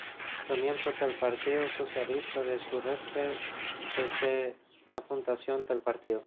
Fue miembro del Partido Socialista del Sureste desde la fundación del partido.